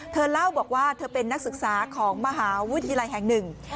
เธอเล่าบอกว่าเธอเป็นนักศึกษาของมหาวิทยาลัยแห่งหนึ่ง